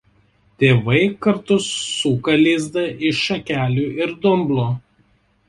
Tėvai kartu suka lizdą iš šakelių ir dumblo.